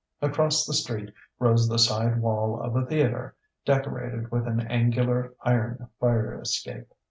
Across the street rose the side wall of a theatre, decorated with an angular iron fire escape.